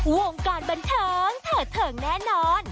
วงการบันเทิงเถิดเทิงแน่นอน